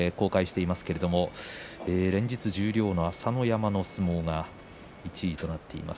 連日、十両の朝乃山の相撲が１位になっています。